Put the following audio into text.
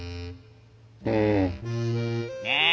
うん。ねえ。